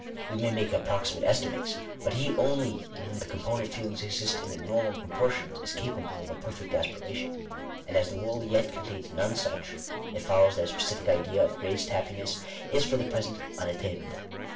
We may make approximate estimates, but he only in whom the component feelings exist in their . normal proportions is capable of a perfect aspiration. And as the world yet contains none such, it follows that a specific idea of " greatest happiness " is for the present unattainable.